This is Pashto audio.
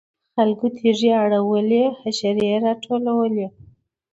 خلکو تیږې اړولې حشرې راټولولې.